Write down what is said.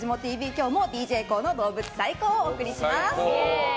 今日も「ＤＪＫＯＯのどうぶつ最ＫＯＯ！！」をお送りします。